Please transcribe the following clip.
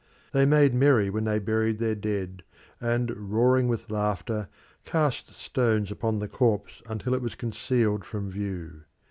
They made merry when they buried their dead, and, roaring with laughter, cast stones upon the corpse until it was concealed from view.